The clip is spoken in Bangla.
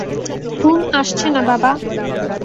ঘুম আসছে না, বাবা।